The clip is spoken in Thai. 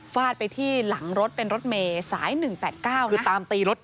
ฟาดไปที่หลังรถเป็นรถเมสาย๑๘๙นะ